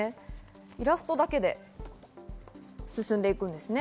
イラストだけで進んでいきます。